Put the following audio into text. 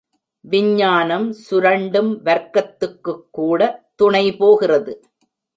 விஞ்ஞானம் சுரண்டும் வர்க்கத்துக்குக் கூட, துணை போகிறது.